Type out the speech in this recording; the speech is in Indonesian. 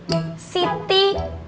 gak ada gunakan